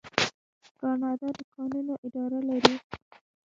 کاناډا د کانونو اداره لري.